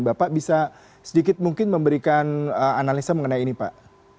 bapak bisa sedikit mungkin memberikan analisa mengenai ini pak